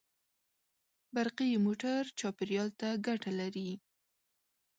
برقي موټر چاپېریال ته ګټه لري.